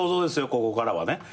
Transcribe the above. ここからはね。